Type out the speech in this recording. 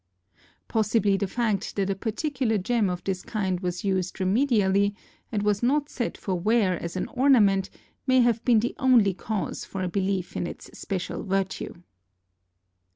Possibly the fact that a particular gem of this kind was used remedially, and was not set for wear as an ornament, may have been the only cause for a belief in its special virtue.